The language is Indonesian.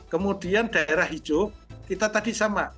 kemudian daerah hijau kita tadi sama